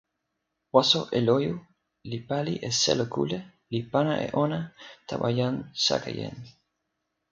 waso Eloju li pali e selo kule li pana e ona tawa jan Sakejen.